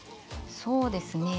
そうですね